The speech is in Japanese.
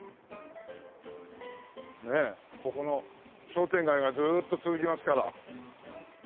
ここの商店街がずーっと続きますから。